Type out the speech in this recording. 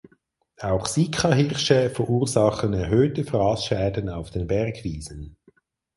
Auch Sikahirsche verursachen erhöhte Fraßschäden auf den Bergwiesen.